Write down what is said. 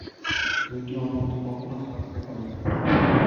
দুইটি অনন্ত কখনও থাকিতে পারে না।